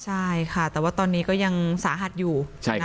ใช่ค่ะแต่ว่าตอนนี้ก็ยังสาหัสอยู่